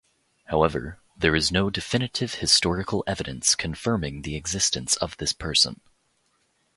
However, there is no definitive historical evidence confirming the existence of this person.